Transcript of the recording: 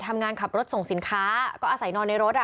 ทำงานขับรถส่งสินค้าก็อาศัยนอนในรถอ่ะ